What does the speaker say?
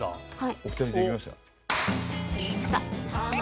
お二人できました？